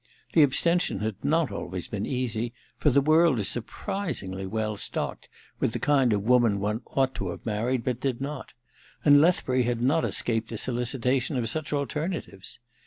The abstention had not always been easy, for the world is surprisingly well stocked with the kind of woman one ought to have married but did not ; and Lethbury had not escaped the solicitation of such alternatives.